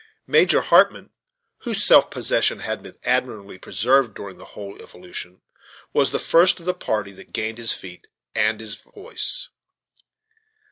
Major Hartmann, whose self possession had been admirably preserved during the whole evolution, was the first of the party that gained his feet and his voice.